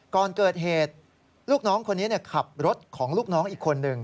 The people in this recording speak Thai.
ก่อนเกิดเหตุลูกน้องคนนี้ขับรถของลูกน้องอีกคนนึง